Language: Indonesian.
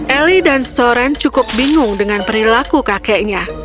eli dan soren cukup bingung dengan perilaku kakeknya